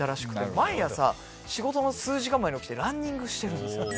毎朝仕事の数時間前に起きてランニングしてるんですよ。